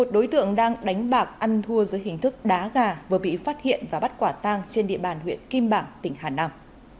một mươi một đối tượng đang đánh bạc ăn thua giữa hình thức đá gà vừa bị phát hiện và bắt quả tang trên địa bàn huyện kim bảng tỉnh hà nẵng